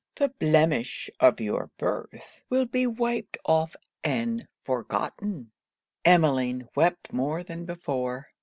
The blemish of your birth will be wiped off and forgotten.' Emmeline wept more than before.